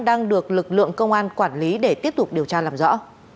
đang được lực lượng công an quản lý để tiếp tục điều tra làm rõ